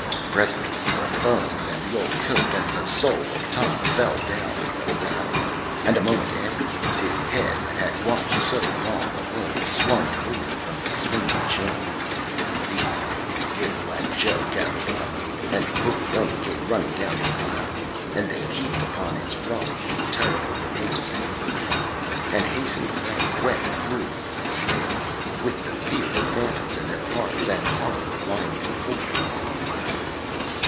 Presently, the bones and the old coat and the soul of Tom fell down with a rattle, and a moment afterwards his head that had watched so long alone swung clear from the swinging chain. These things Will and Joe gathered up, and Puglioni came running down his ladder, and they heaped upon its rungs the terrible remains of their friend, and hastened away wet through with the rain, with the fear of phantoms in their hearts and horror lying before them on the ladder.